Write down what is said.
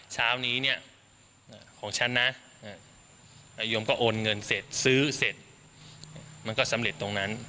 เช้านี้เนี่ยของฉันนะนายมก็โอนเงินเสร็จซื้อเสร็จมันก็สำเร็จตรงนั้น